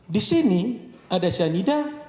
disini ada cyanida